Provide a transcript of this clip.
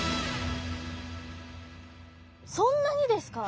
そんなにですか？